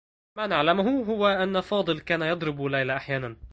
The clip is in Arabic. ما نعلمه هو أنّ فاضل كان يضرب ليلى أحيانا.